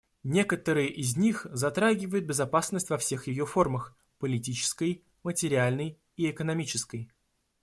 Некоторые из них затрагивают безопасность во всех ее формах — политической, материальной и экономической.